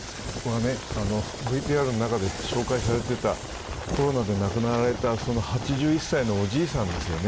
ＶＴＲの中で紹介されていたコロナで亡くなられた８１歳のおじいさんですよね。